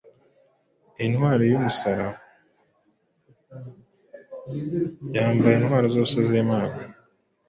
Iyi ntwari y’umusaraba, yambaye intwaro zose z’Imana